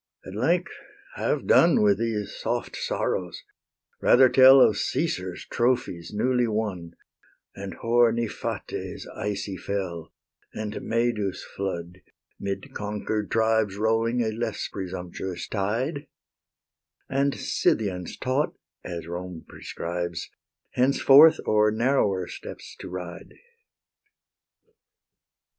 At length have done With these soft sorrows; rather tell Of Caesar's trophies newly won, And hoar Niphates' icy fell, And Medus' flood, 'mid conquer'd tribes Rolling a less presumptuous tide, And Scythians taught, as Rome prescribes, Henceforth o'er narrower steppes to ride.